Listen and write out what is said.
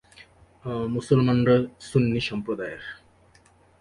মুসলমানরা সুন্নী সম্প্রদায়ের।